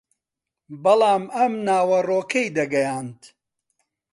بەڵام ئەم ناوەڕۆکەی دەگەیاند